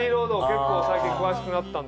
結構最近詳しくなったんですよ。